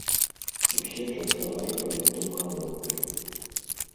Усе частавалі паэтаў гарэлкай.